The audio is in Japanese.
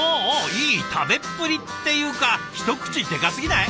いい食べっぷり！っていうか一口でかすぎない？